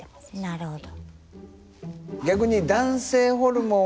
なるほど。